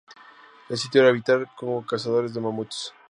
El sitio era habitado por cazadores de mamuts.